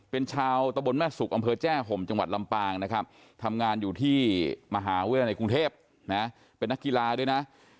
เป็นชาวตะบนแม่สุกอำเภอแจ้ห่มจังหวัดลำปางนะครับทำงานอยู่ที่มหาวิทยาลัยในกรุงเทพนะเป็นนักกีฬาด้วยนะ